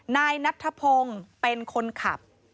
นายนัทธพงศ์เป็นคนขับ